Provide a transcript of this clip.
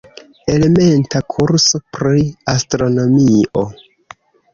Elementa kurso pri astronomio.